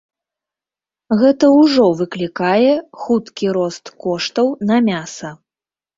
Гэта ўжо выклікае хуткі рост коштаў на мяса.